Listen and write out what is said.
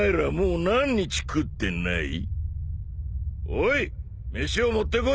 おい飯を持ってこい！